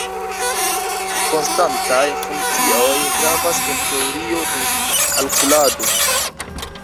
Konstantaj funkcioj gravas en teorio de kalkulado.